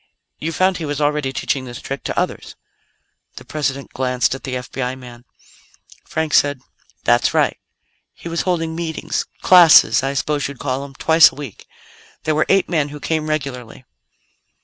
"You found he was already teaching this trick to others." The President glanced at the FBI man. Frank said: "That's right; he was holding meetings classes, I suppose you'd call them twice a week. There were eight men who came regularly."